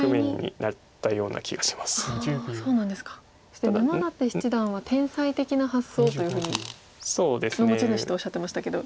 そして沼舘七段は天才的な発想というふうにの持ち主とおっしゃってましたけど。